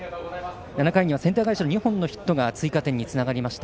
７回にセンター返し２本のヒットが追加点につながりました。